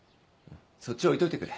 そっち置いといてくれ。